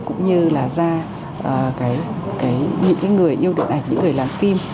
cũng như là ra những người yêu điện ảnh những người làm phim